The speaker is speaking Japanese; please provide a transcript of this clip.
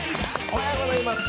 おはようございます。